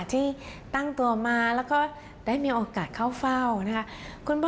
ที่ตั้งตัวมาแล้วก็ได้มีโอกาสเข้าเฝ้านะคะ